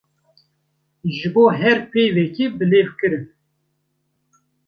Ji bo her peyvekê bilêvkirin.